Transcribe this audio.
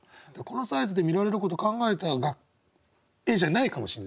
このサイズで見られることを考えた絵じゃないかもしれないけどね。